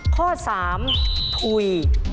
ข้อสามถุย